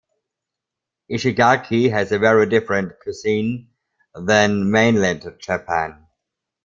Ishigaki has a very different cuisine than mainland Japan.